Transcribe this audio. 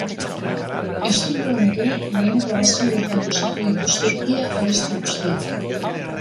Estudioan ere, lehen grabazioetan osatu dituzte ia abesti guztiak.